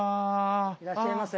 いらっしゃいませ。